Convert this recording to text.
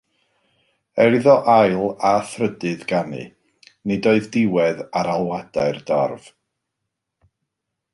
Er iddo ail a thrydydd ganu, nid oedd diwedd ar alwadau'r dorf.